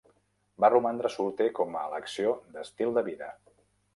Va romandre solter com a elecció d'estil de vida.